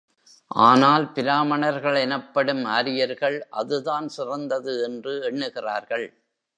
ஆனால், பிராமணர்கள் எனப்படும் ஆரியர்கள் அதுதான் சிறந்தது என்று எண்ணுகிறார்கள்.